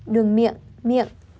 đường miệng miệng